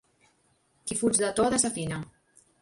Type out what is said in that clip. Qui fuig de to, desafina.